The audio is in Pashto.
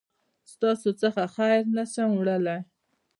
ستاسو څخه خير نسم وړلای